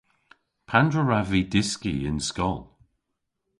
Pandr'a wrav vy dyski y'n skol?